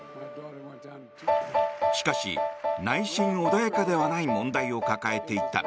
しかし、内心穏やかではない問題を抱えていた。